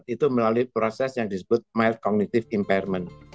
itu melalui proses yang disebut mild communitive impairment